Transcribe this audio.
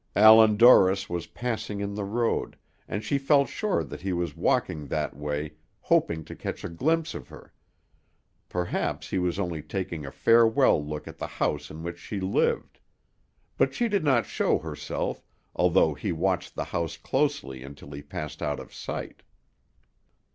Allan Dorris was passing in the road, and she felt sure that he was walking that way hoping to catch a glimpse of her; perhaps he was only taking a farewell look at the house in which she lived. But she did not show herself, although he watched the house closely until he passed out of sight.